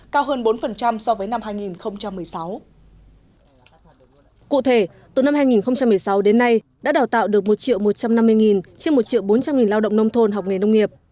cụ thể từ năm hai nghìn một mươi sáu đến nay đã đào tạo được một một trăm năm mươi trên một bốn trăm linh lao động nông thôn học nghề nông nghiệp